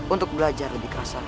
untuk belajar lebih keras